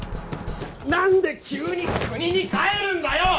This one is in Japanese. なんで急に国に帰るんだよ！？